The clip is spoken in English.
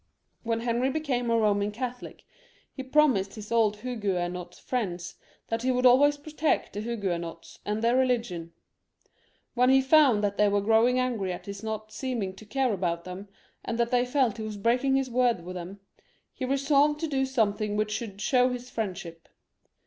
When Henry became a Eoman Catholic he promised his old Huguenot Mends that he would always protect the Huguenots and their religion. When he found that they were growing angry at his not seeming to care about them, and that they felt he was breaking his word to them, he resolved to do something which should show his friend ship for them.